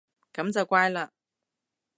噉就乖嘞